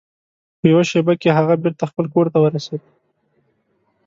په یوه شیبه کې هغه بیرته خپل کور ته ورسید.